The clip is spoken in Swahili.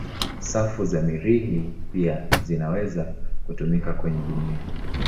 Safu za Mirihi pia zinaweza kutumika kwenye dunia.